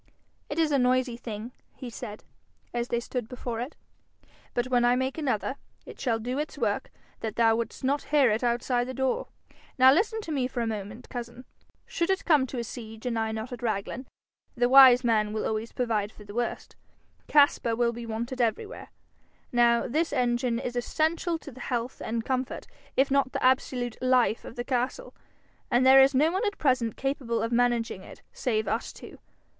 'It is a noisy thing,' he said, as they stood before it, 'but when I make another, it shall do its work that thou wouldst not hear it outside the door. Now listen to me for a moment, cousin. Should it come to a siege and I not at Raglan the wise man will always provide for the worst Caspar will be wanted everywhere. Now this engine is essential to the health and comfort, if not to the absolute life of the castle, and there is no one at present capable of managing it save us two.